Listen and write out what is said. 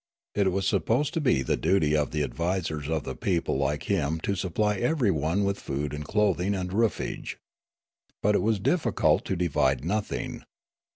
It was supposed to be the duty of the advdsers of the people like him to supply everyone with food and clothing and roofage. But it was difficult to divide nothing.